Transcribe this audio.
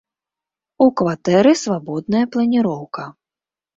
У кватэры свабодная планіроўка.